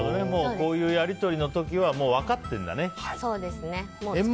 こういうやり取りの時はもう分かっているんだね。